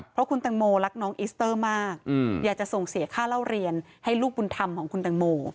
เพราะคุณตังโมรักน้องอิสเตอร์มากอยากจะส่งเสียค่าเล่าเรียนให้ลูกบุญธรรมของคุณตังโม